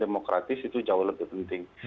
demokratis itu jauh lebih penting